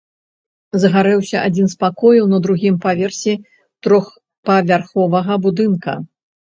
Загарэўся адзін з пакояў на другім паверсе трохпавярховага будынка.